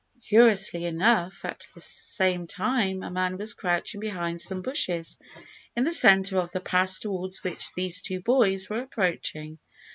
Curiously enough, at this same time, a man was crouching behind some bushes in the centre of the pass towards which these two boys were approaching.